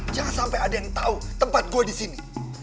jangan sampai ada yang tahu tempat gue di sini